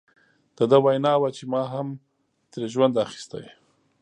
د ده وینا وه چې ما هم ترې ژوند اخیستی.